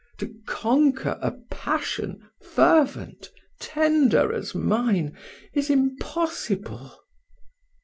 To conquer a passion fervent, tender as mine, is impossible."